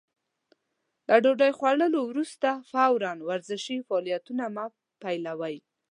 له ډوډۍ خوړلو وروسته فورً ورزشي فعالیتونه مه پيلوئ.